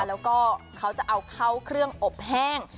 แล้วก็เขาจะเอาเข้าเครื่องอบแห้ง